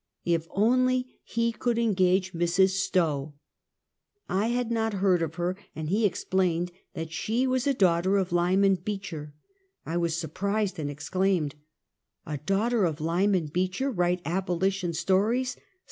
If only he could engage Mrs. Stowe. I had not heard of her, and he explained that she was a daugh ter of Lyman Beecher. I was surprised and ex claimed :" A daughter of Lyman Beecher write abolition sto ries